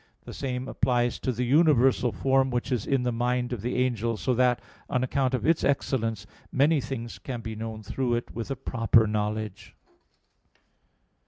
The same applies to the universal form which is in the mind of the angel, so that, on account of its excellence, many things can be known through it with a proper knowledge.